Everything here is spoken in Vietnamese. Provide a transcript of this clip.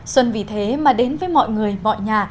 xuân vì thế mà đến với mọi người mọi nhà